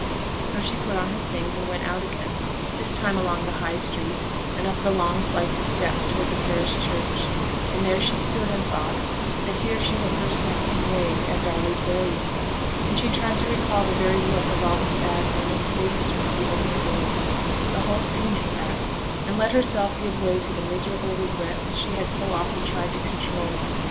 So she put on her things and went out again; this time along the High Street, and up the long flights of steps towards the parish church, and there she stood and thought that here she had first met Kinraid, at Darley's burying, and she tried to recall the very look of all the sad, earnest faces round the open grave the whole scene, in fact; and let herself give way to the miserable regrets she had so often tried to control.